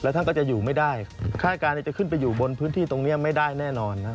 ท่านก็จะอยู่ไม่ได้คาดการณ์จะขึ้นไปอยู่บนพื้นที่ตรงนี้ไม่ได้แน่นอนนะ